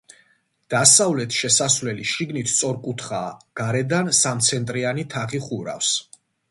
დასავლეთ შესასვლელი შიგნით სწორკუთხაა, გარედან სამცენტრიანი თაღი ხურავს.